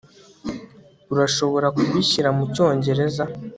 urashobora kubishyira mucyongereza